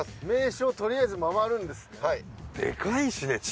名所とりあえず回るんですね？